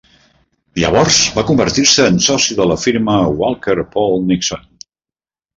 Llavors va convertir-se en soci de la firma Walker Poole Nixon.